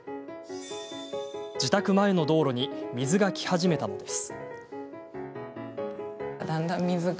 自宅前の道路に水が来始めたのです。